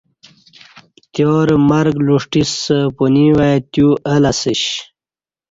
پتیارہ مرگ لوݜٹیسہ پنوی وای تیو اہ لہ اسیش